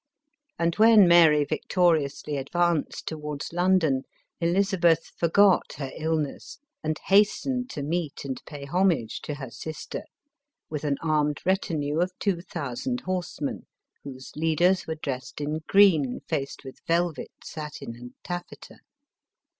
And when Mary victoriously ad vanced towards London, Elizabeth forgot her illness, and hastened to meet and pay homage to her sister, with an armed retinue of two thousand horsemen, whose leaders were dressed in green, faced with velvet, satin and taffeta.